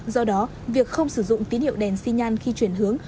do đó việc không sử dụng tín hiệu đèn xi nhan khi chuyển hướng